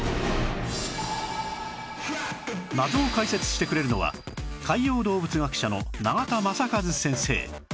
謎を解説してくれるのは海洋動物学者の永田雅一先生